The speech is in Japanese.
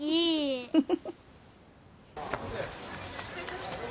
フフフフ。